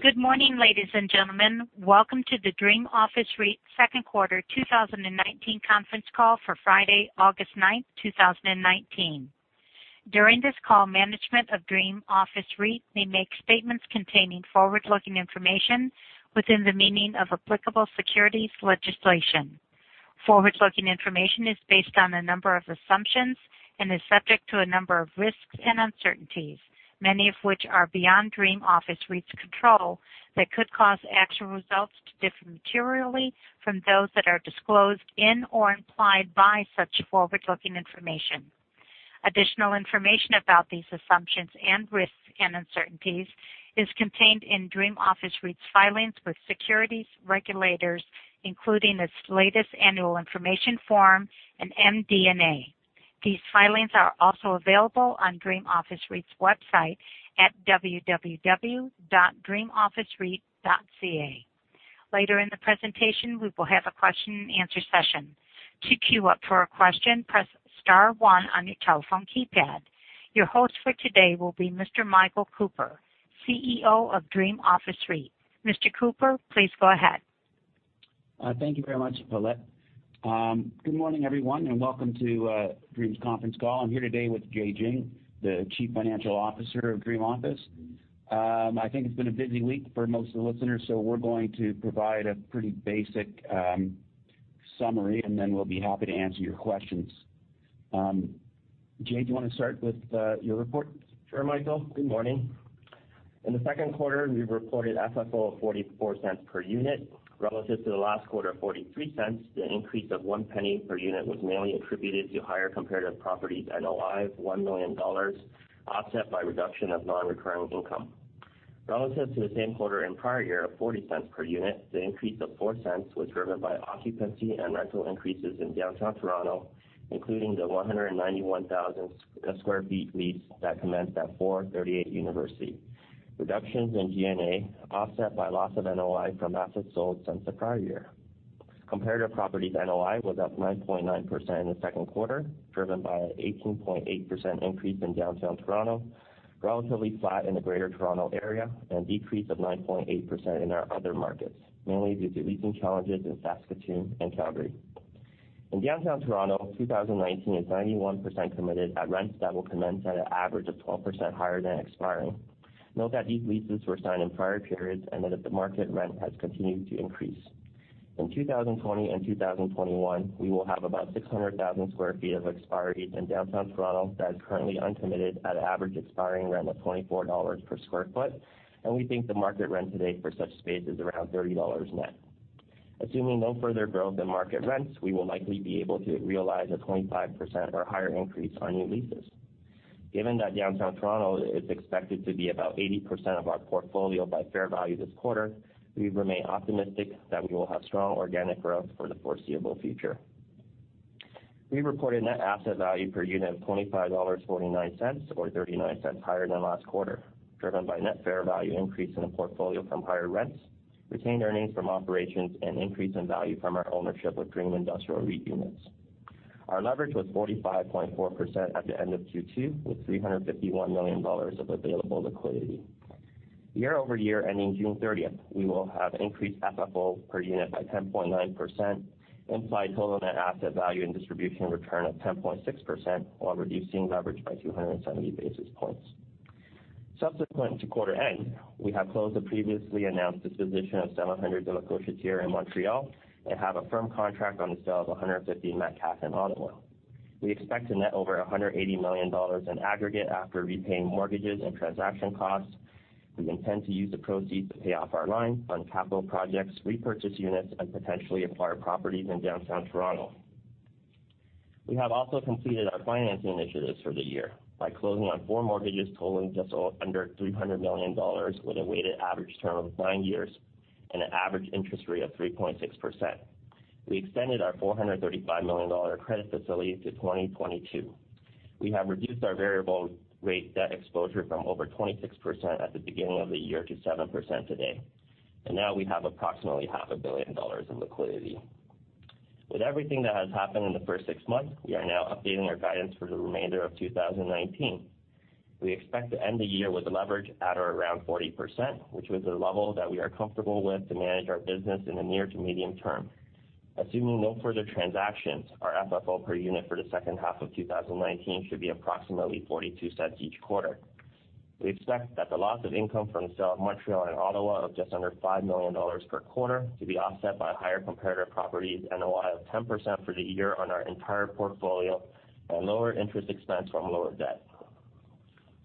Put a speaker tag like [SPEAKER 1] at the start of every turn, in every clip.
[SPEAKER 1] Good morning, ladies and gentlemen. Welcome to the Dream Office REIT second quarter 2019 conference call for Friday, August 9th, 2019. During this call, management of Dream Office REIT may make statements containing forward-looking information within the meaning of applicable securities legislation. Forward-looking information is based on a number of assumptions and is subject to a number of risks and uncertainties, many of which are beyond Dream Office REIT's control, that could cause actual results to differ materially from those that are disclosed in or implied by such forward-looking information. Additional information about these assumptions and risks and uncertainties is contained in Dream Office REIT's filings with securities regulators, including its latest annual information form and MD&A. These filings are also available on Dream Office REIT's website at www.dreamofficereit.ca. Later in the presentation, we will have a question and answer session. To queue up for a question, press star one on your telephone keypad. Your host for today will be Mr. Michael Cooper, CEO of Dream Office REIT. Mr. Cooper, please go ahead.
[SPEAKER 2] Thank you very much, Paulette. Good morning, everyone, and welcome to Dream's conference call. I'm here today with Jay Jiang, the Chief Financial Officer of Dream Office. I think it's been a busy week for most of the listeners, so we're going to provide a pretty basic summary, and then we'll be happy to answer your questions. Jay, do you want to start with your report?
[SPEAKER 3] Sure, Michael. Good morning. In the second quarter, we've reported FFO of 0.44 per unit relative to the last quarter of 0.43. The increase of 0.01 per unit was mainly attributed to higher comparative properties NOI of 1 million dollars, offset by reduction of non-recurring income. Relative to the same quarter in prior year of 0.40 per unit, the increase of 0.04 was driven by occupancy and rental increases in Downtown Toronto, including the 191,000 sq ft lease that commenced at 438 University. Reductions in G&A, offset by loss of NOI from assets sold since the prior year. Comparative properties NOI was up 9.9% in the second quarter, driven by an 18.8% increase in Downtown Toronto, relatively flat in the Greater Toronto Area, and decrease of 9.8% in our other markets, mainly due to leasing challenges in Saskatoon and Calgary. In Downtown Toronto, 2019 is 91% committed at rents that will commence at an average of 12% higher than expiring. Note that these leases were signed in prior periods and that the market rent has continued to increase. In 2020 and 2021, we will have about 600,000 sq ft of expiries in Downtown Toronto that is currently uncommitted at average expiring rent of 24 dollars per sq ft, and we think the market rent today for such space is around 30 dollars net. Assuming no further growth in market rents, we will likely be able to realize a 25% or higher increase on new leases. Given that Downtown Toronto is expected to be about 80% of our portfolio by fair value this quarter, we remain optimistic that we will have strong organic growth for the foreseeable future. We reported net asset value per unit of 25.49 dollars or 0.39 higher than last quarter, driven by net fair value increase in the portfolio from higher rents, retained earnings from operations, and increase in value from our ownership of Dream Industrial REIT units. Our leverage was 45.4% at the end of Q2, with 351 million dollars of available liquidity. year-over-year ending June 30th, we will have increased FFO per unit by 10.9%, implied total net asset value and distribution return of 10.6%, while reducing leverage by 270 basis points. Subsequent to quarter end, we have closed the previously announced disposition of 700 de la Gauchetière in Montreal and have a firm contract on the sale of 150 Metcalfe in Ottawa. We expect to net over 180 million dollars in aggregate after repaying mortgages and transaction costs. We intend to use the proceeds to pay off our line on capital projects, repurchase units, and potentially acquire properties in Downtown Toronto. We have also completed our financing initiatives for the year by closing on four mortgages totaling just under 300 million dollars with a weighted average term of nine years and an average interest rate of 3.6%. We extended our 435 million dollar credit facility to 2022. We have reduced our variable rate debt exposure from over 26% at the beginning of the year to 7% today. Now we have approximately half a billion dollars in liquidity. With everything that has happened in the first six months, we are now updating our guidance for the remainder of 2019. We expect to end the year with leverage at or around 40%, which was a level that we are comfortable with to manage our business in the near to medium term. Assuming no further transactions, our FFO per unit for the second half of 2019 should be approximately 0.42 each quarter. We expect that the loss of income from the sale of Montreal and Ottawa of just under 5 million dollars per quarter to be offset by higher comparative properties NOI of 10% for the year on our entire portfolio and lower interest expense from lower debt.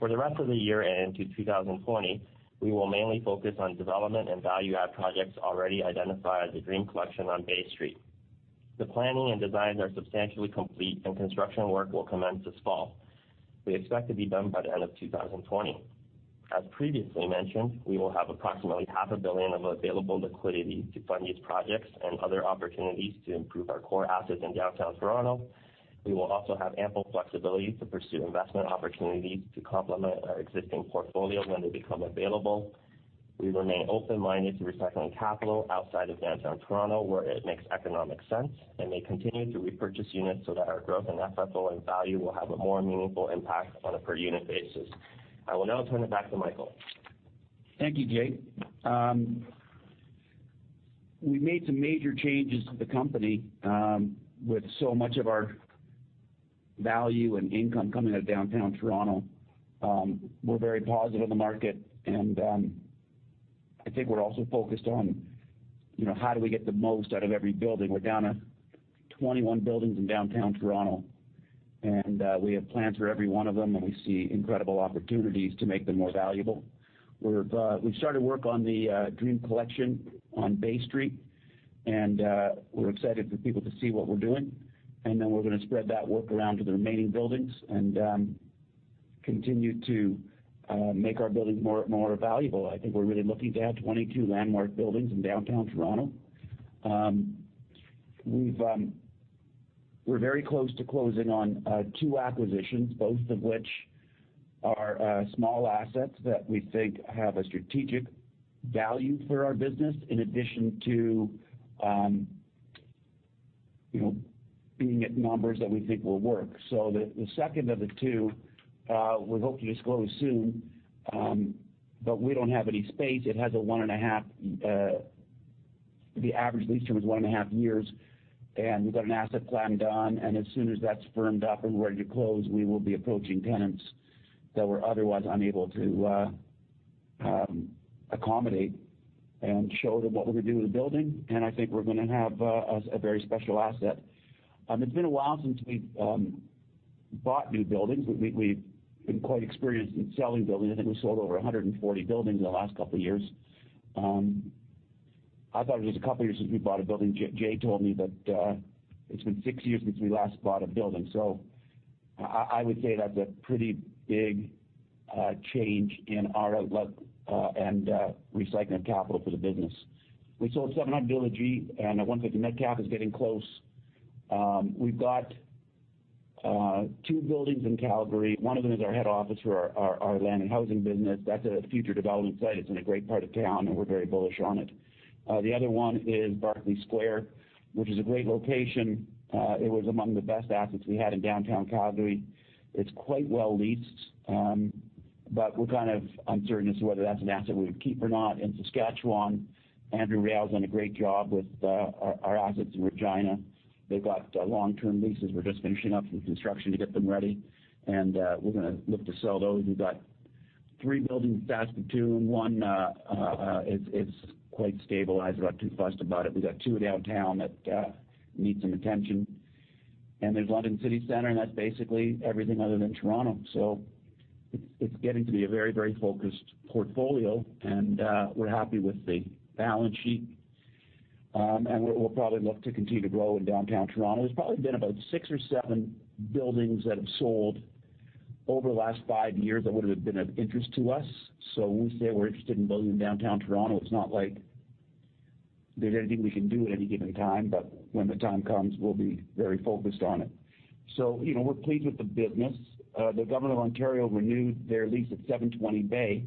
[SPEAKER 3] For the rest of the year and into 2020, we will mainly focus on development and value add projects already identified at The Dream Collection on Bay Street. The planning and designs are substantially complete. Construction work will commence this fall. We expect to be done by the end of 2020. As previously mentioned, we will have approximately half a billion of available liquidity to fund these projects and other opportunities to improve our core assets in Downtown Toronto. We will also have ample flexibility to pursue investment opportunities to complement our existing portfolio when they become available. We remain open-minded to recycling capital outside of Downtown Toronto where it makes economic sense and may continue to repurchase units so that our growth in FFO and value will have a more meaningful impact on a per unit basis. I will now turn it back to Michael.
[SPEAKER 2] Thank you, Jay. We made some major changes to the company, with so much of our value and income coming out of Downtown Toronto. We're very positive on the market, I think we're also focused on how do we get the most out of every building. We're down to 21 buildings in Downtown Toronto, we have plans for every one of them, we see incredible opportunities to make them more valuable. We've started work on The Dream Collection on Bay Street, we're excited for people to see what we're doing. Then we're going to spread that work around to the remaining buildings and continue to make our buildings more valuable. I think we're really lucky to have 22 landmark buildings in Downtown Toronto. We're very close to closing on two acquisitions, both of which are small assets that we think have a strategic value for our business, in addition to being at numbers that we think will work. The second of the two, we hope to disclose soon, but we don't have any space. The average lease term is one and a half years, and we've got an asset plan done, and as soon as that's firmed up and we're ready to close, we will be approaching tenants that we're otherwise unable to accommodate and show them what we're going to do with the building. I think we're going to have a very special asset. It's been a while since we've bought new buildings. We've been quite experienced in selling buildings. I think we sold over 140 buildings in the last couple of years. I thought it was a couple of years since we bought a building. Jay told me that it's been six years since we last bought a building, so I would say that's a pretty big change in our outlook and recycling of capital for the business. We sold 700 de la Gauchetière. At one point the NAV is getting close. We've got two buildings in Calgary. One of them is our head office for our land and housing business. That's a future development site. It's in a great part of town, and we're very bullish on it. The other one is Barclay Centre, which is a great location. It was among the best assets we had in Downtown Calgary. It's quite well leased. We're kind of uncertain as to whether that's an asset we would keep or not. In Saskatchewan, Andrew Rail's done a great job with our assets in Regina. They've got long-term leases. We're just finishing up some construction to get them ready, and we're going to look to sell those. We've got three buildings in Saskatoon. One is quite stabilized. We're not too fussed about it. We've got two downtown that need some attention, and there's London City Centre, and that's basically everything other than Toronto. It's getting to be a very focused portfolio, and we're happy with the balance sheet. We'll probably look to continue to grow in Downtown Toronto. There's probably been about six or seven buildings that have sold over the last five years that would have been of interest to us. When we say we're interested in building in Downtown Toronto, it's not like there's anything we can do at any given time. When the time comes, we'll be very focused on it. We're pleased with the business. The Government of Ontario renewed their lease at 720 Bay,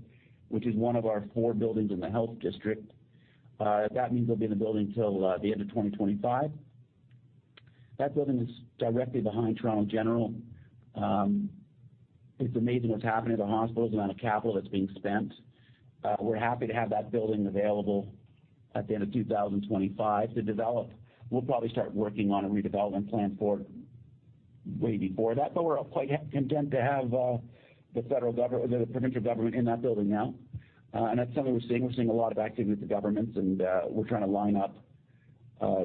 [SPEAKER 2] which is one of our four buildings in the health district. That means they'll be in the building till the end of 2025. That building is directly behind Toronto General. It's amazing what's happening at the hospital, the amount of capital that's being spent. We're happy to have that building available at the end of 2025 to develop. We'll probably start working on a redevelopment plan for way before that. We're quite content to have the provincial government in that building now. That's something we're seeing. We're seeing a lot of activity with the governments, and we're trying to line up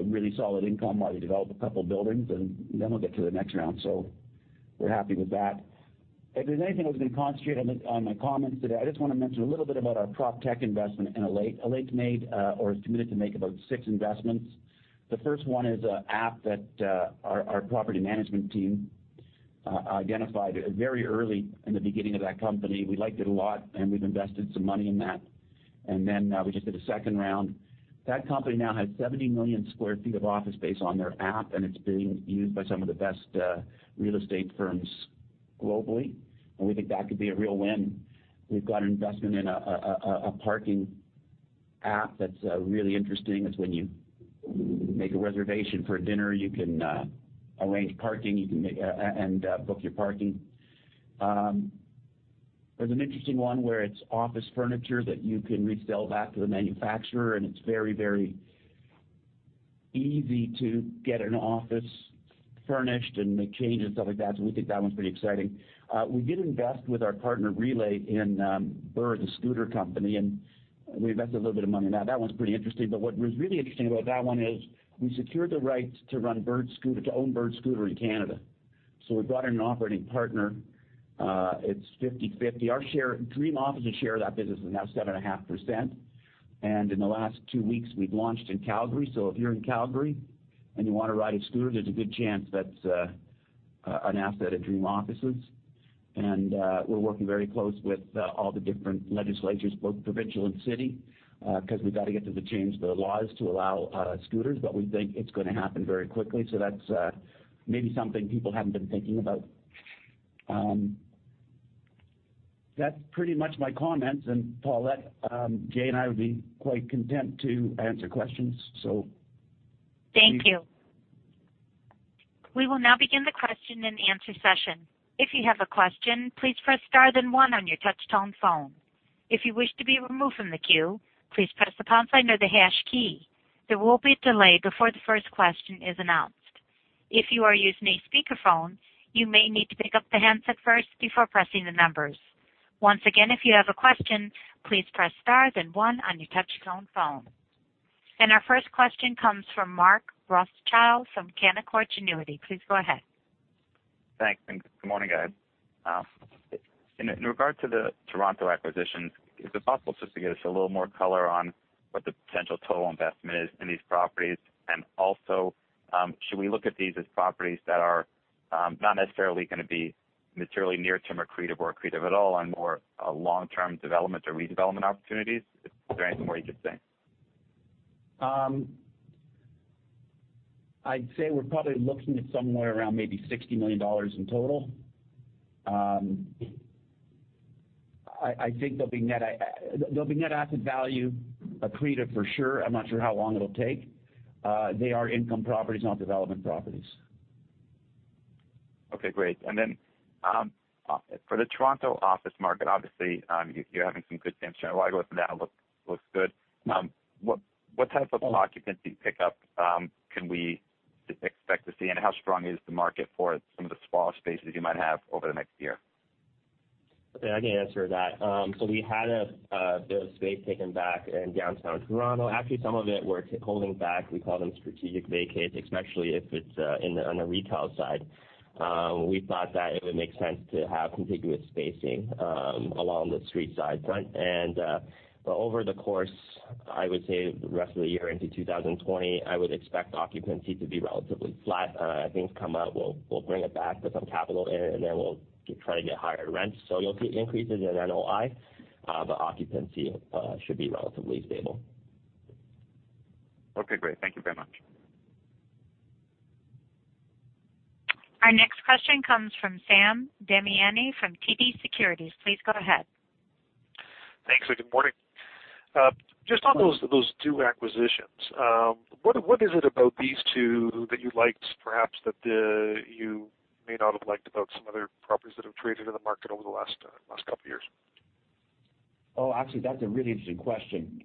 [SPEAKER 2] really solid income while we develop a couple buildings, and then we'll get to the next round. We're happy with that. If there's anything I was going to concentrate on in my comments today, I just want to mention a little bit about our PropTech investment in Alate. Alate's made, or has committed to make, about six investments. The first one is an app that our property management team identified very early in the beginning of that company. We liked it a lot, and we've invested some money in that. Then we just did a second round. That company now has 70 million sq ft of office space on their app, and it's being used by some of the best real estate firms globally, and we think that could be a real win. We've got an investment in a parking app that's really interesting. It's when you make a reservation for a dinner, you can arrange parking and book your parking. There's an interesting one where it's office furniture that you can resell back to the manufacturer, and it's very easy to get an office furnished and make changes, stuff like that. We think that one's pretty exciting. We did invest with our partner, Relay, in Bird, the scooter company, and we invested a little bit of money in that. That one's pretty interesting. What was really interesting about that one is we secured the rights to own Bird scooter in Canada. We brought in an operating partner. It's 50/50. Our share, Dream Office's share of that business is now 7.5%. In the last two weeks, we've launched in Calgary. If you're in Calgary and you want to ride a scooter, there's a good chance that's an asset of Dream Office's. We're working very close with all the different legislatures, both provincial and city, because we've got to get them to change the laws to allow scooters. We think it's going to happen very quickly. That's maybe something people haven't been thinking about. That's pretty much my comments. Paulette, Jay and I would be quite content to answer questions.
[SPEAKER 1] Thank you. We will now begin the question and answer session. If you have a question, please press star then one on your touch-tone phone. If you wish to be removed from the queue, please press the pound sign or the hash key. There will be a delay before the first question is announced. If you are using a speakerphone, you may need to pick up the handset first before pressing the numbers. Once again, if you have a question, please press star then one on your touch-tone phone. Our first question comes from Mark Rothschild from Canaccord Genuity. Please go ahead.
[SPEAKER 4] Thanks, good morning, guys. In regard to the Toronto acquisitions, is it possible just to get us a little more color on what the potential total investment is in these properties? Also, should we look at these as properties that are not necessarily going to be materially near-term accretive or accretive at all, and more long-term development or redevelopment opportunities? Is there anything more you could say?
[SPEAKER 2] I'd say we're probably looking at somewhere around maybe 60 million dollars in total. I think they'll be net asset value accretive for sure. I'm not sure how long it'll take. They are income properties, not development properties.
[SPEAKER 4] Okay, great. For the Toronto office market, obviously, you're having some good success. A lot of that looks good. What type of occupancy pickup can we expect to see, and how strong is the market for some of the smaller spaces you might have over the next year?
[SPEAKER 3] Okay, I can answer that. We had a bit of space taken back in Downtown Toronto. Actually, some of it we're holding back. We call them strategic vacates, especially if it's on the retail side. We thought that it would make sense to have contiguous spacing along the street side front. Over the course, I would say the rest of the year into 2020, I would expect occupancy to be relatively flat. As things come up, we'll bring it back, put some capital in, we'll try to get higher rents. You'll see increases in NOI, but occupancy should be relatively stable.
[SPEAKER 4] Okay, great. Thank you very much.
[SPEAKER 1] Our next question comes from Sam Damiani from TD Securities. Please go ahead.
[SPEAKER 5] Thanks, and good morning. Just on those two acquisitions, what is it about these two that you liked perhaps that you may not have liked about some other properties that have traded in the market over the last couple of years?
[SPEAKER 2] Actually, that's a really interesting question,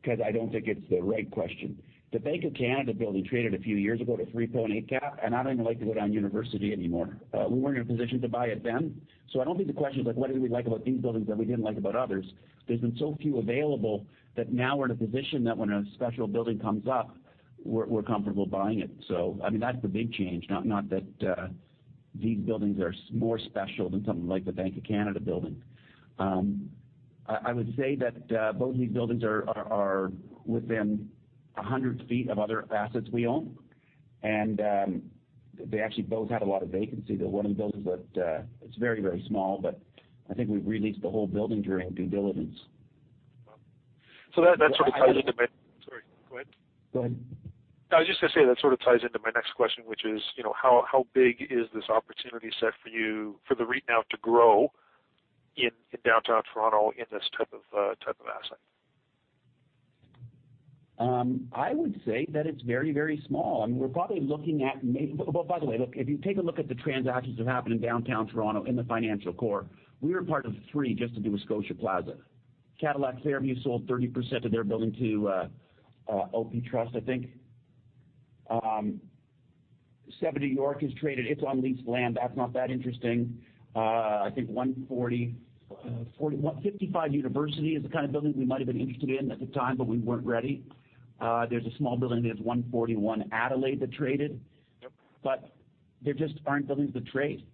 [SPEAKER 2] because I don't think it's the right question. The Bank of Canada building traded a few years ago at a 3.8 cap. I don't even like to go down University anymore. We weren't in a position to buy it then. I don't think the question is what did we like about these buildings that we didn't like about others. There's been so few available that now we're in a position that when a special building comes up, we're comfortable buying it. That's the big change, not that these buildings are more special than something like the Bank of Canada building. I would say that both of these buildings are within 100 feet of other assets we own. They actually both had a lot of vacancy. The one in the buildings. It's very, very small, but I think we've re-leased the whole building during due diligence.
[SPEAKER 5] Sorry, go ahead.
[SPEAKER 2] Go ahead.
[SPEAKER 5] No, I was just going to say that sort of ties into my next question, which is, how big is this opportunity set for you, for the REIT now to grow in Downtown Toronto in this type of asset?
[SPEAKER 2] I would say that it's very, very small. By the way, look, if you take a look at the transactions that happened in Downtown Toronto in the financial core, we were part of three just to do with Scotia Plaza. Cadillac Fairview sold 30% of their building to OPTrust, I think. 70 York has traded. It's on leased land. That's not that interesting. I think 140, 41, 55 University is the kind of building we might've been interested in at the time, but we weren't ready. There's a small building, 141 Adelaide that traded.
[SPEAKER 5] Yep.
[SPEAKER 2] There just aren't buildings to trade.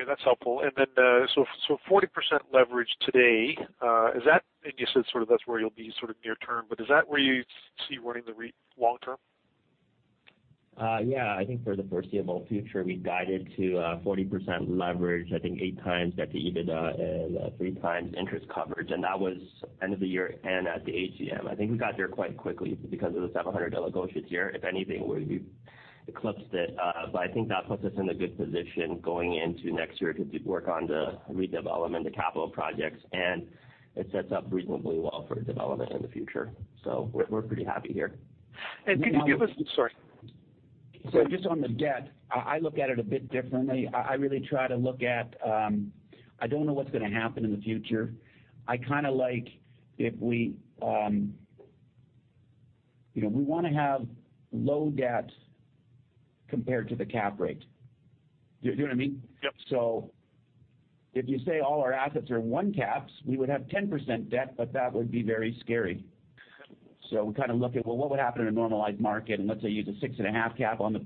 [SPEAKER 5] Okay, that's helpful. 40% leverage today. You said that's where you'll be near-term, but is that where you see running the REIT long-term?
[SPEAKER 3] Yeah, I think for the foreseeable future, we guided to 40% leverage. I think 8x the EBITDA and 3x interest coverage. That was end of the year end at the AGM. I think we got there quite quickly because of the 700 de la Gauchetière. If anything, we eclipsed it. I think that puts us in a good position going into next year to work on the redevelopment, the capital projects, and it sets up reasonably well for development in the future. We're pretty happy here.
[SPEAKER 5] Could you give us some Sorry.
[SPEAKER 2] Just on the debt, I look at it a bit differently. I really try to look at, I don't know what's going to happen in the future. I kind of like if we want to have low debt compared to the cap rate. Do you know what I mean?
[SPEAKER 5] Yep.
[SPEAKER 2] If you say all our assets are 1 caps, we would have 10% debt, but that would be very scary. We kind of look at, well, what would happen in a normalized market, and let's say you use a 6.5 cap on the.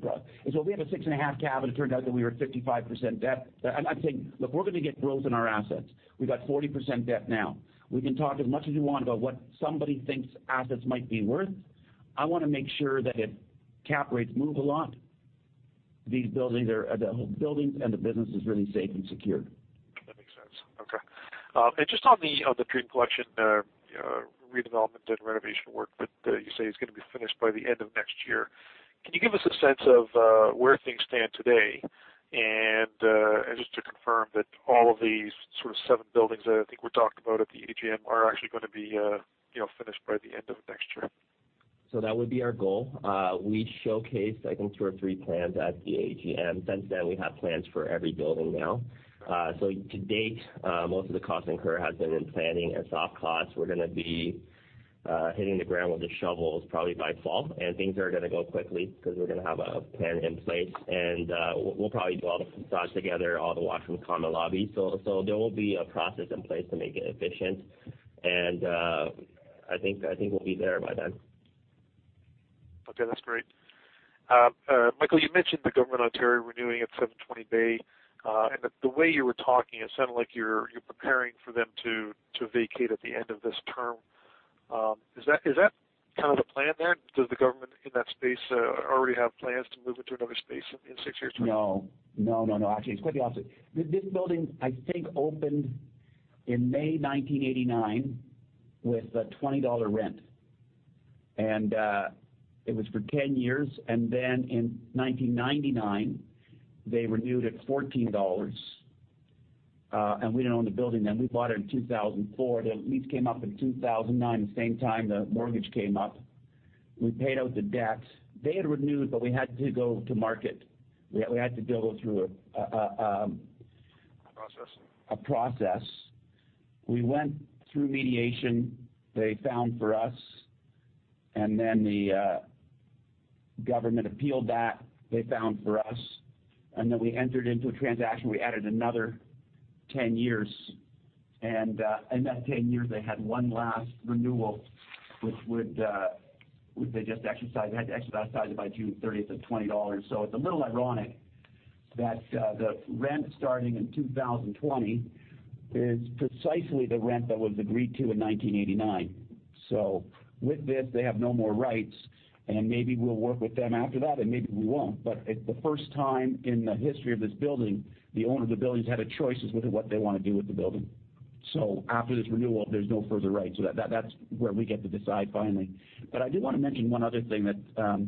[SPEAKER 2] If we have a 6.5 cap, and it turned out that we were at 55% debt. I'm saying, look, we're going to get growth in our assets. We've got 40% debt now. We can talk as much as we want about what somebody thinks assets might be worth. I want to make sure that if cap rates move a lot, these buildings are, the buildings and the business is really safe and secure.
[SPEAKER 5] That makes sense. Okay. Just on the Dream Collection redevelopment and renovation work that you say is going to be finished by the end of next year. Can you give us a sense of where things stand today? Just to confirm that all of these seven buildings that I think were talked about at the AGM are actually going to be finished by the end of next year.
[SPEAKER 3] That would be our goal. We showcased, I think, two or three plans at the AGM. Since then, we have plans for every building now. To date, most of the costs incurred have been in planning and soft costs. We're going to be hitting the ground with the shovels probably by fall, and things are going to go quickly because we're going to have a plan in place. We'll probably do all the facades together, all the washroom common lobbies. There will be a process in place to make it efficient. I think we'll be there by then.
[SPEAKER 5] Okay, that's great. Michael, you mentioned the Government of Ontario renewing at 720 Bay. The way you were talking, it sounded like you're preparing for them to vacate at the end of this term. Is that the plan there? Does the government in that space already have plans to move into another space in six years time?
[SPEAKER 2] No. Actually, it's quite the opposite. This building, I think, opened in May 1989 with a 20 dollar rent. It was for 10 years. Then in 1999, they renewed at 14 dollars. We didn't own the building then. We bought it in 2004. The lease came up in 2009, the same time the mortgage came up. We paid out the debt. They had renewed, but we had to go to market. We had to deal with...
[SPEAKER 5] Process
[SPEAKER 2] a process. We went through mediation they found for us. Then the government appealed that. They found for us. We entered into a transaction. We added another 10 years. In that 10 years, they had one last renewal, which they just exercised. They had to exercise it by June 30th at 20 dollars. It's a little ironic that the rent starting in 2020 is precisely the rent that was agreed to in 1989. With this, they have no more rights, and maybe we'll work with them after that, and maybe we won't. It's the first time in the history of this building, the owner of the building's had a choice as with what they want to do with the building. After this renewal, there's no further rights. That's where we get to decide finally. I did want to mention one other thing that,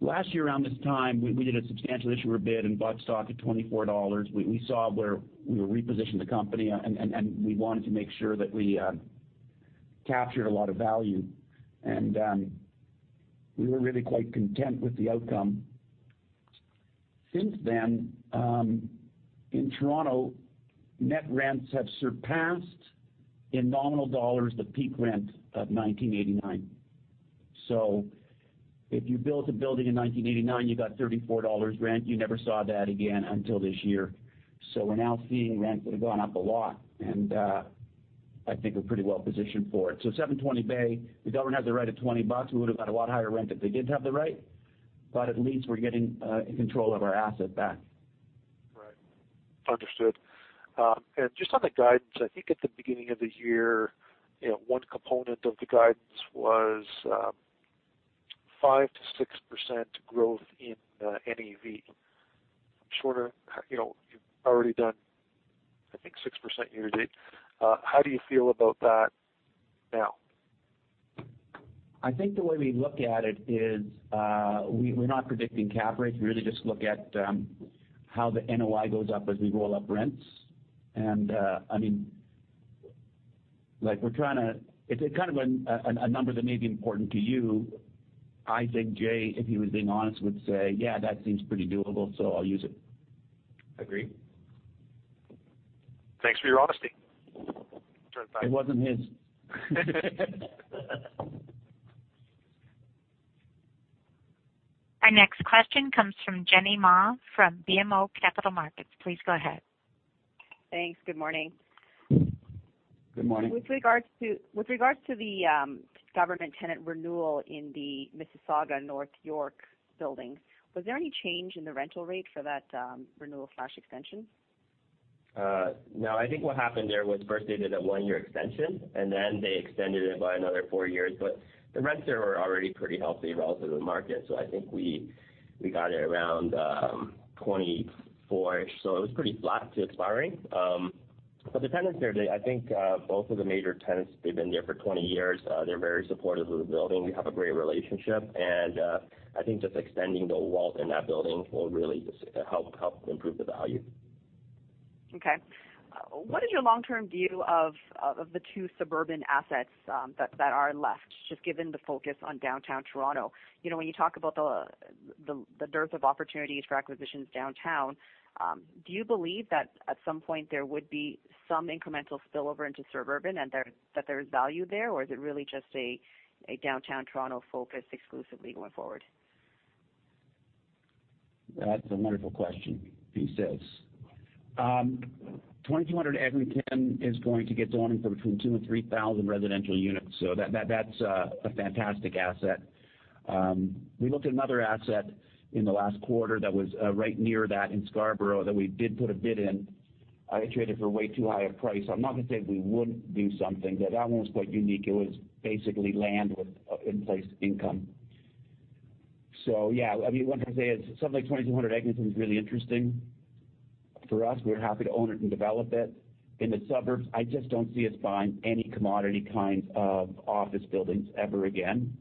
[SPEAKER 2] last year around this time, we did a substantial issuer bid and bought stock at 24 dollars. We saw where we repositioned the company, and we wanted to make sure that we captured a lot of value. We were really quite content with the outcome. Since then, in Toronto, net rents have surpassed, in nominal dollars, the peak rent of 1989. If you built a building in 1989, you got 34 dollars rent. You never saw that again until this year. We're now seeing rents that have gone up a lot, and I think we're pretty well positioned for it. 720 Bay, the government has the right at 20 bucks. We would've got a lot higher rent if they didn't have the right, but at least we're getting, control of our asset back.
[SPEAKER 5] Right. Understood. Just on the guidance, I think at the beginning of the year, one component of the guidance was 5%-6% growth in NAV. I'm sure you've already done I think 6% year to date. How do you feel about that now?
[SPEAKER 2] I think the way we look at it is, we're not predicting cap rates. We really just look at how the NOI goes up as we roll up rents. I mean, it's a kind of a number that may be important to you. I think Jay, if he was being honest, would say, "Yeah, that seems pretty doable, so I'll use it."
[SPEAKER 3] Agree.
[SPEAKER 5] Thanks for your honesty.
[SPEAKER 2] It wasn't his.
[SPEAKER 1] Our next question comes from Jenny Ma from BMO Capital Markets. Please go ahead.
[SPEAKER 6] Thanks. Good morning.
[SPEAKER 2] Good morning.
[SPEAKER 6] With regards to the government tenant renewal in the Mississauga North York building, was there any change in the rental rate for that renewal/extension?
[SPEAKER 3] I think what happened there was first they did a one-year extension, and then they extended it by another four years. The rents there were already pretty healthy relative to the market. I think we got it around 24-ish. It was pretty flat to expiring. The tenants there, I think, both of the major tenants, they've been there for 20 years. They're very supportive of the building. We have a great relationship and, I think just extending the walls in that building will really just help improve the value.
[SPEAKER 6] Okay. What is your long-term view of the two suburban assets that are left, just given the focus on Downtown Toronto? When you talk about the dearth of opportunities for acquisitions downtown, do you believe that at some point there would be some incremental spillover into suburban, and that there's value there, or is it really just a Downtown Toronto focus exclusively going forward?
[SPEAKER 2] That's a wonderful question. He says. 2200 Eglinton is going to get zoned for between 2,000 and 3,000 residential units. That's a fantastic asset. We looked at another asset in the last quarter that was right near that in Scarborough, that we did put a bid in. It traded for a way too high a price. I'm not going to say we wouldn't do something, but that one was quite unique. It was basically land with in-place income. Yeah. I mean, what I'm trying to say is something like 2200 Eglinton is really interesting. For us, we're happy to own it and develop it. In the suburbs, I just don't see us buying any commodity kinds of office buildings ever again.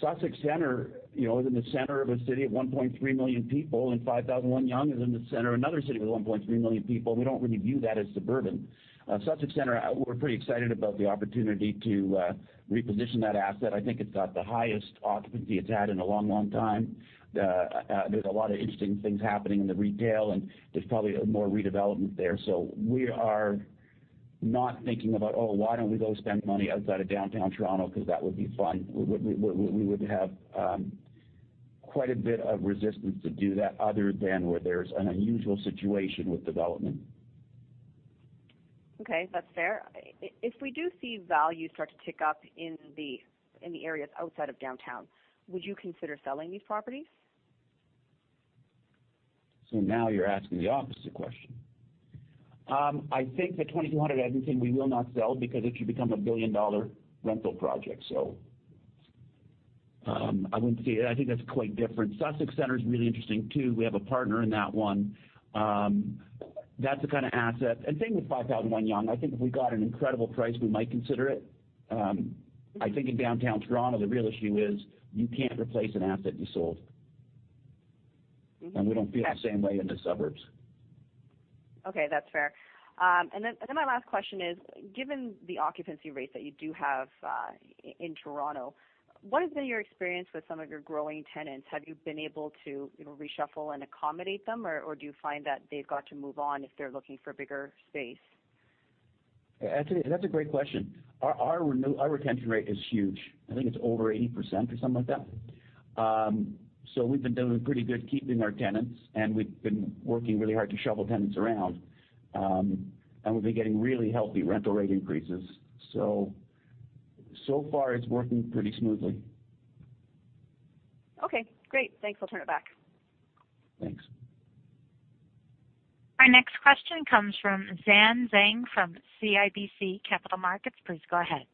[SPEAKER 2] Sussex Centre is in the center of a city of 1.3 million people, and 5001 Yonge is in the center of another city with 1.3 million people. We don't really view that as suburban. Sussex Centre, we're pretty excited about the opportunity to reposition that asset. I think it's at the highest occupancy it's had in a long time. There's a lot of interesting things happening in the retail, and there's probably more redevelopment there. We are not thinking about, oh, why don't we go spend money outside of Downtown Toronto because that would be fun. We would have quite a bit of resistance to do that other than where there's an unusual situation with development.
[SPEAKER 6] Okay, that's fair. If we do see value start to tick up in the areas outside of downtown, would you consider selling these properties?
[SPEAKER 2] Now you're asking the opposite question. I think the 2200 Eglinton we will not sell because it should become a billion-dollar rental project. I wouldn't see it. I think that's quite different. Sussex Centre's really interesting, too. We have a partner in that one. That's the kind of asset. Same with 5001 Yonge. I think if we got an incredible price, we might consider it. I think in Downtown Toronto, the real issue is you can't replace an asset you sold. We don't feel the same way in the suburbs.
[SPEAKER 6] Okay, that's fair. My last question is, given the occupancy rates that you do have in Toronto, what has been your experience with some of your growing tenants? Have you been able to reshuffle and accommodate them, or do you find that they've got to move on if they're looking for bigger space?
[SPEAKER 2] That's a great question. Our retention rate is huge. I think it's over 80% or something like that. We've been doing pretty good keeping our tenants, and we've been working really hard to shuffle tenants around. We've been getting really healthy rental rate increases. So far it's working pretty smoothly.
[SPEAKER 6] Okay, great. Thanks. I'll turn it back.
[SPEAKER 2] Thanks.
[SPEAKER 1] Our next question comes from Zan Zhang from CIBC Capital Markets. Please go ahead.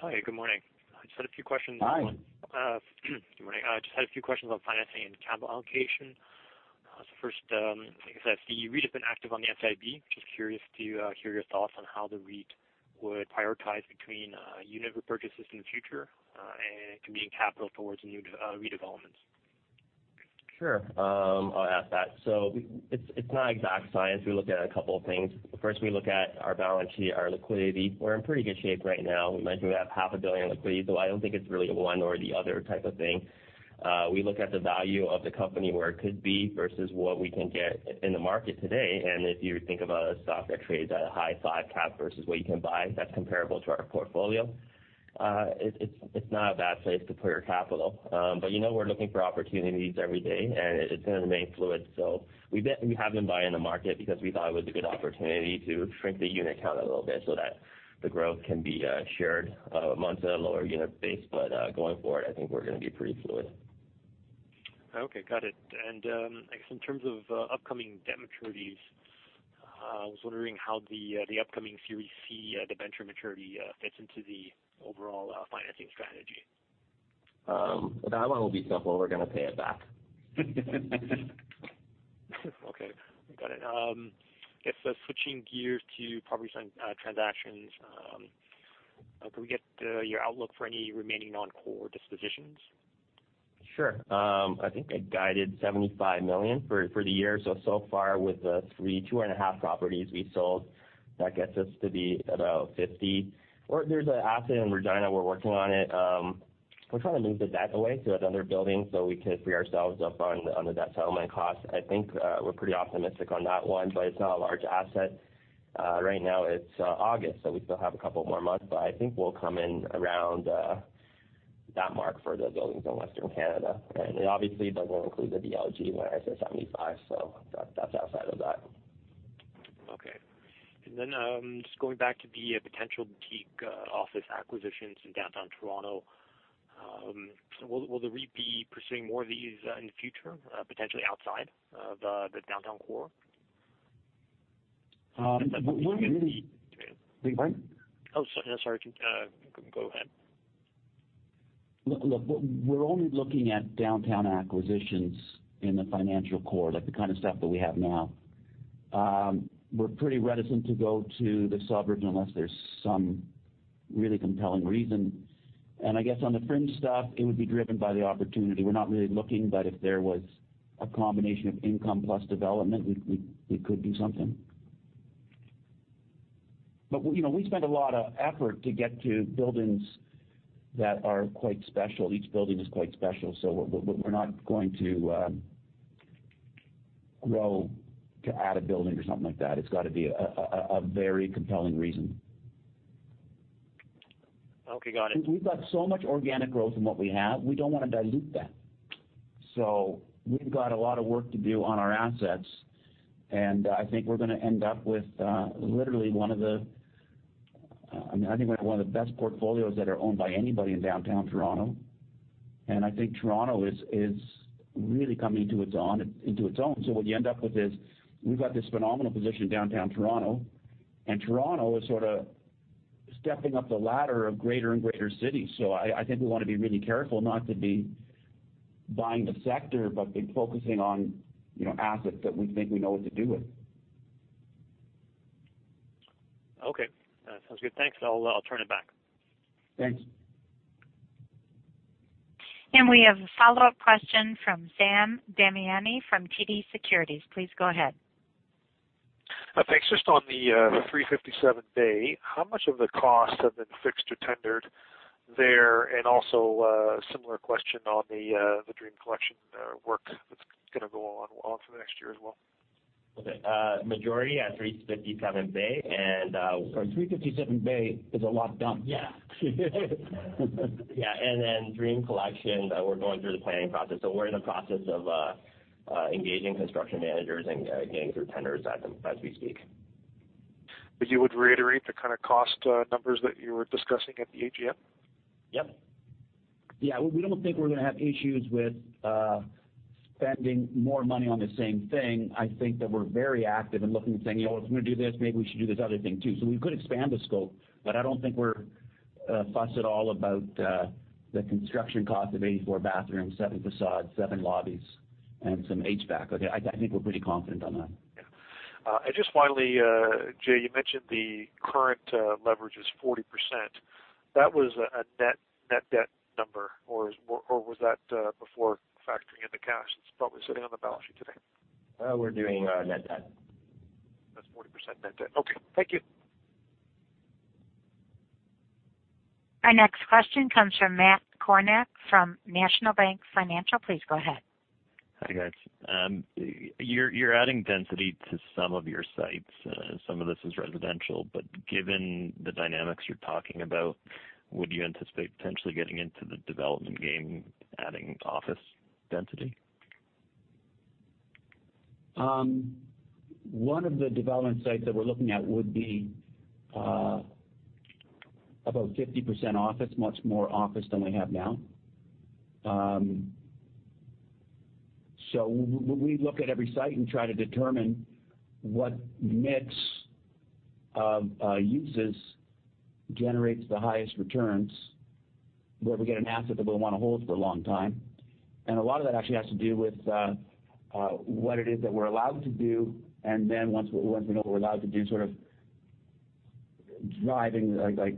[SPEAKER 7] Hi. Good morning. I just had a few questions.
[SPEAKER 2] Hi.
[SPEAKER 7] Good morning. I just had a few questions on financing and capital allocation. First, I guess the REIT has been active on the SIB. Just curious to hear your thoughts on how the REIT would prioritize between unit repurchases in the future, and committing capital towards new redevelopments.
[SPEAKER 3] Sure. I'll add that. It's not an exact science. We look at a couple of things. First, we look at our balance sheet, our liquidity. We're in pretty good shape right now. We mentioned we have half a billion in liquidity, so I don't think it's really a one or the other type of thing. We look at the value of the company, where it could be versus what we can get in the market today. If you think of a stock that trades at a high five cap versus what you can buy, that's comparable to our portfolio. It's not a bad place to put your capital. You know we're looking for opportunities every day, and it's going to remain fluid. We have been buying the market because we thought it was a good opportunity to shrink the unit count a little bit so that the growth can be shared amongst a lower unit base. Going forward, I think we're going to be pretty fluid.
[SPEAKER 7] Okay, got it. I guess in terms of upcoming debt maturities, I was wondering how the upcoming Series C debenture maturity fits into the overall financing strategy.
[SPEAKER 3] That one will be simple. We're going to pay it back.
[SPEAKER 7] Okay, got it. Guess switching gears to property transactions, can we get your outlook for any remaining non-core dispositions?
[SPEAKER 3] Sure. I think I guided 75 million for the year, so far with the three two and a half properties we sold, that gets us to be about 50 million. There's an asset in Regina we're working on it. We're trying to move the debt away to another building so we could free ourselves up on the debt settlement cost. I think we're pretty optimistic on that one, but it's not a large asset. Right now it's August, we still have a couple more months, I think we'll come in around that mark for the buildings in Western Canada. Obviously, that won't include the DLG when I say CAD 75 million, that's outside of that.
[SPEAKER 7] Okay. Just going back to the potential boutique office acquisitions in Downtown Toronto, will the REIT be pursuing more of these in the future, potentially outside the downtown core?
[SPEAKER 2] We're only-
[SPEAKER 7] Sorry.
[SPEAKER 2] Beg your pardon?
[SPEAKER 7] Oh, sorry. Go ahead.
[SPEAKER 2] Look, we're only looking at downtown acquisitions in the financial core, like the kind of stuff that we have now. We're pretty reticent to go to the suburbs unless there's some really compelling reason. I guess on the fringe stuff, it would be driven by the opportunity. We're not really looking, but if there was a combination of income plus development, we could do something. We spend a lot of effort to get to buildings that are quite special. Each building is quite special. We're not going to grow to add a building or something like that. It's got to be a very compelling reason.
[SPEAKER 7] Okay, got it.
[SPEAKER 2] Because we've got so much organic growth in what we have, we don't want to dilute that. We've got a lot of work to do on our assets, and I think we're going to end up with literally one of the best portfolios that are owned by anybody in downtown Toronto. I think Toronto is really coming into its own. What you end up with is we've got this phenomenal position in downtown Toronto, and Toronto is stepping up the ladder of greater and greater cities. I think we want to be really careful not to be buying the sector, but be focusing on assets that we think we know what to do with.
[SPEAKER 7] Okay. Sounds good. Thanks. I'll turn it back.
[SPEAKER 2] Thanks.
[SPEAKER 1] We have a follow-up question from Sam Damiani from TD Securities. Please go ahead.
[SPEAKER 5] Thanks. Just on the 357 Bay, how much of the costs have been fixed or tendered there? Also, similar question on the Dream Collection work that's going to go on for the next year as well?
[SPEAKER 3] Okay. Majority at 357 Bay.
[SPEAKER 2] Sorry, 357 Bay is a lot done.
[SPEAKER 3] Yeah. Yeah. Then Dream Collection, we're going through the planning process. We're in the process of engaging construction managers and getting through tenders as we speak.
[SPEAKER 5] You would reiterate the kind of cost numbers that you were discussing at the AGM?
[SPEAKER 3] Yep.
[SPEAKER 2] We don't think we're going to have issues with spending more money on the same thing. I think that we're very active and looking and saying, "If we're going to do this, maybe we should do this other thing too." We could expand the scope, but I don't think we're fussed at all about the construction cost of 84 bathrooms, seven facades, seven lobbies, and some HVAC. I think we're pretty confident on that.
[SPEAKER 5] Yeah. Just finally, Jay, you mentioned the current leverage is 40%. That was a net debt number, or was that before factoring in the cash that's probably sitting on the balance sheet today?
[SPEAKER 3] We're doing net debt.
[SPEAKER 5] That's 40% net debt. Okay. Thank you.
[SPEAKER 1] Our next question comes from Matt Kornack from National Bank Financial. Please go ahead.
[SPEAKER 8] Hi, guys. You're adding density to some of your sites. Some of this is residential, given the dynamics you're talking about, would you anticipate potentially getting into the development game, adding office density?
[SPEAKER 2] One of the development sites that we're looking at would be about 50% office, much more office than we have now. We look at every site and try to determine what mix of uses generates the highest returns, where we get an asset that we'll want to hold for a long time. A lot of that actually has to do with what it is that we're allowed to do, and then once we know what we're allowed to do, sort of driving like,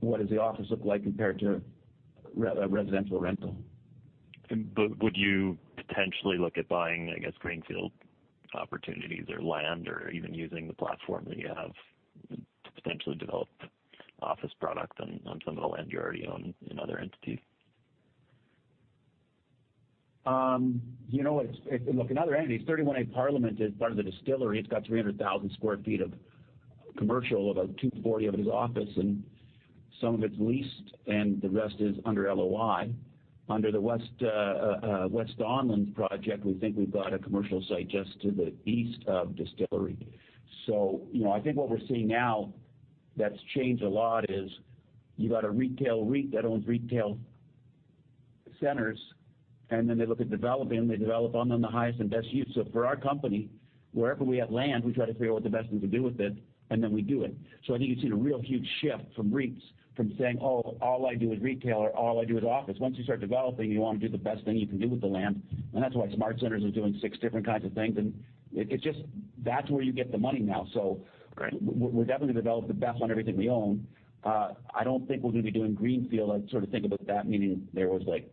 [SPEAKER 2] what does the office look like compared to a residential rental.
[SPEAKER 8] Would you potentially look at buying, I guess, greenfield opportunities or land or even using the platform that you have to potentially develop office product on some of the land you already own in other entities?
[SPEAKER 2] Look, in other entities, 31A Parliament is part of the Distillery. It's got 300,000 sq ft of commercial, about 240 of it is office, and some of it's leased and the rest is under LOI. Under the West Don Lands project, we think we've got a commercial site just to the east of Distillery. I think what we're seeing now that's changed a lot is you've got a retail REIT that owns retail centers, and then they look at developing, they develop on them the highest and best use. For our company, wherever we have land, we try to figure out what the best thing to do with it, and then we do it. I think you've seen a real huge shift from REITs, from saying, "Oh, all I do is retail," or, "All I do is office." Once you start developing, you want to do the best thing you can do with the land. That's why SmartCentres are doing six different kinds of things. It's just that's where you get the money now.
[SPEAKER 8] Right
[SPEAKER 2] We'll definitely develop the best on everything we own. I don't think we're going to be doing greenfield. I sort of think about that meaning there was like,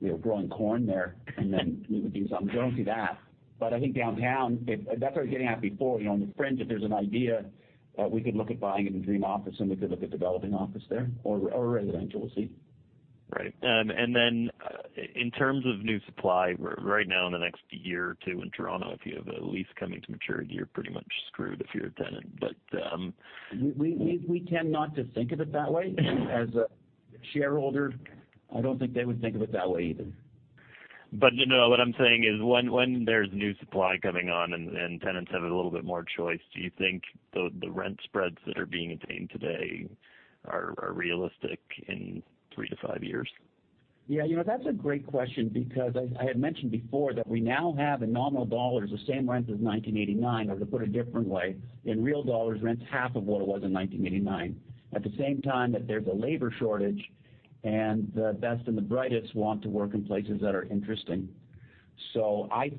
[SPEAKER 2] we were growing corn there, and then we would do something. We don't see that. I think downtown, that's what I was getting at before, on the fringe, if there's an idea, we could look at buying in Dream Office and we could look at developing office there or residential. We'll see.
[SPEAKER 8] Right. Then in terms of new supply, right now in the next year or two in Toronto, if you have a lease coming to maturity, you're pretty much screwed if you're a tenant.
[SPEAKER 2] We tend not to think of it that way. As a shareholder, I don't think they would think of it that way either.
[SPEAKER 8] What I'm saying is when there's new supply coming on and tenants have a little bit more choice, do you think the rent spreads that are being obtained today are realistic in three to five years?
[SPEAKER 2] Yeah. That's a great question because I had mentioned before that we now have, in nominal dollars, the same rent as 1989, or to put it a different way, in real dollars, rent's half of what it was in 1989. At the same time, that there's a labor shortage and the best and the brightest want to work in places that are interesting. Let's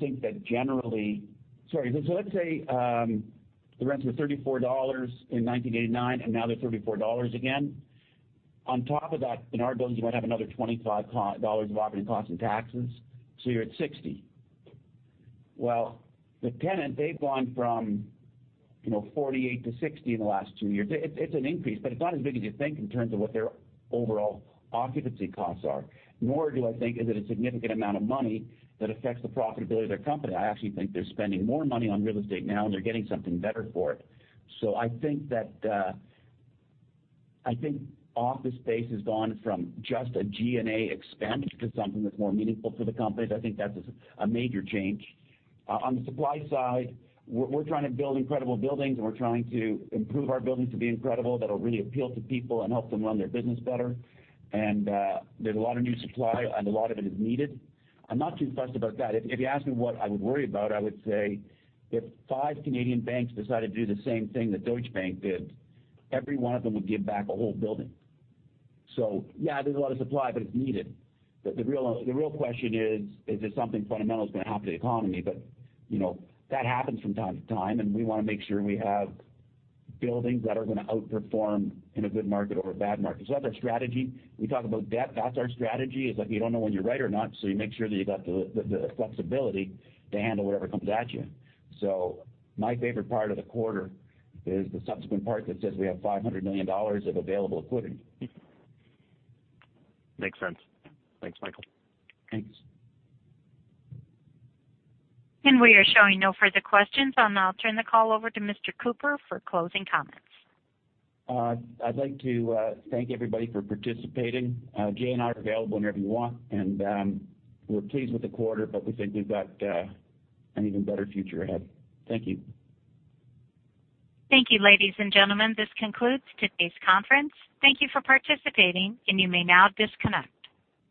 [SPEAKER 2] say the rents were 34 dollars in 1989 and now they're 34 dollars again. On top of that, in our buildings, you might have another 25 dollars of operating costs and taxes, so you're at 60. Well, the tenant, they've gone from 48 to 60 in the last two years. It's an increase, it's not as big as you think in terms of what their overall occupancy costs are, nor do I think is it a significant amount of money that affects the profitability of their company. I actually think they're spending more money on real estate now, they're getting something better for it. I think office space has gone from just a G&A expense to something that's more meaningful for the companies. I think that's a major change. On the supply side, we're trying to build incredible buildings, we're trying to improve our buildings to be incredible, that'll really appeal to people and help them run their business better. There's a lot of new supply, and a lot of it is needed. I'm not too fussed about that. If you ask me what I would worry about, I would say if five Canadian banks decided to do the same thing that Deutsche Bank did, every one of them would give back a whole building. Yeah, there's a lot of supply, but it's needed. The real question is something fundamental is going to happen to the economy. That happens from time to time, and we want to make sure we have buildings that are going to outperform in a good market over a bad market. That's our strategy. We talk about debt. That's our strategy, is like we don't know when you're right or not, you make sure that you got the flexibility to handle whatever comes at you. My favorite part of the quarter is the subsequent part that says we have 500 million dollars of available equity.
[SPEAKER 8] Makes sense. Thanks, Michael.
[SPEAKER 2] Thanks.
[SPEAKER 1] We are showing no further questions. I'll now turn the call over to Mr. Cooper for closing comments.
[SPEAKER 2] I'd like to thank everybody for participating. Jay and I are available whenever you want, and we're pleased with the quarter, but we think we've got an even better future ahead. Thank you.
[SPEAKER 1] Thank you, ladies and gentlemen. This concludes today's conference. Thank you for participating, and you may now disconnect.